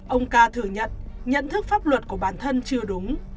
ông ca thừa nhận nhận thức pháp luật của bản thân chưa đúng